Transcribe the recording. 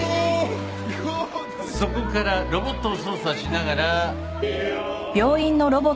そこからロボットを操作しながら。